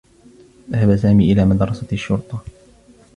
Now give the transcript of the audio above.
ذهب سامي إلى مدرسة الشّرطة.